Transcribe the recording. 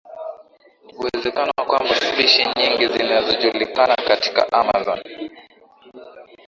uwezekano kwamba spishi nyingi zisizojulikana katika Amazon